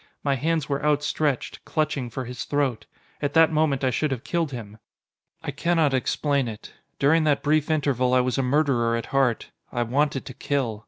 My hands were outstretched, clutching, for his throat. At that moment I should have killed him! I cannot explain it. During that brief interval I was a murderer at heart. I wanted to kill.